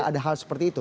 ada hal seperti itu